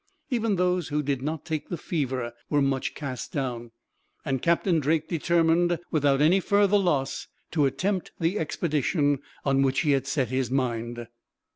Even those who did not take the fever were much cast down, and Captain Drake determined, without any further loss, to attempt the expedition on which he had set his mind.